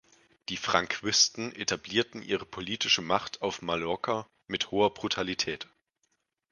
Die Franquisten etablierten ihre politische Macht auf Mallorca mit hoher Brutalität.